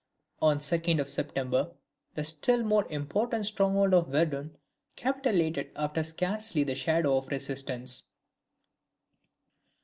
On the 2d of September the still more important stronghold of Verdun capitulated after scarcely the shadow of resistance.